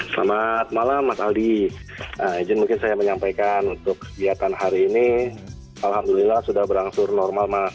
selamat malam mas aldi izin mungkin saya menyampaikan untuk kegiatan hari ini alhamdulillah sudah berangsur normal mas